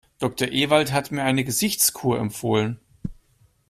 Doktor Ewald hat mir eine Gesichtskur empfohlen.